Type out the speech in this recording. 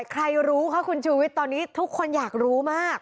ใครรู้คะคุณชูวิทย์ตอนนี้ทุกคนอยากรู้มาก